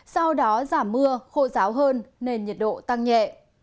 sau đó giảm mưa khô giáo hơn nên nhiệt độ tăng nhẹ